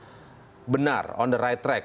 bagaimana ini sudah benar on the right track